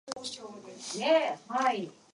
The pretzel may have emerged as a substitute.